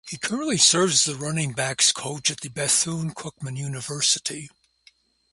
He currently serves as the running backs coach at Bethune Cookman University.